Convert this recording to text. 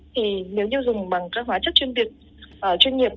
thì nếu như dùng bằng các hóa chất chuyên nghiệp